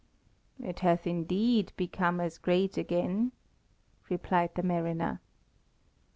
"It hath indeed become as great again," replied the mariner.